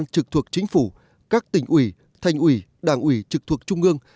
trực thuộc chính phủ các tỉnh ủy thành ủy đảng ủy trực thuộc trung ương